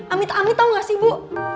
amit amit tau gak sih bu